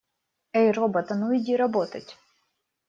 Эй, робот, а ну иди работать!